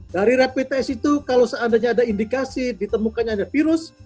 dari rapid test itu kalau seandainya ada indikasi ditemukannya virus